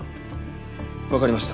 わかりました。